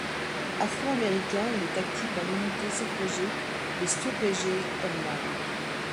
Afro-Américain, il est actif dans l'unité ségrégée des Tuskegee Airmen.